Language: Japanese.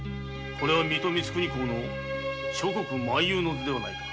これは水戸光圀公の諸国漫遊の図ではないか。